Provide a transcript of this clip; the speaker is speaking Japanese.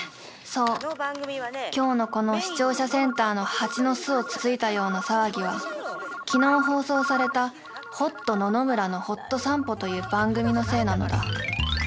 ［そう今日のこの視聴者センターの蜂の巣をつついたような騒ぎは昨日放送された『ホット野々村のほっと散歩』という番組のせいなのだ］